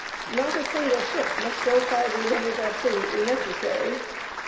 Not a single ship must go farther than is absolutely necessary.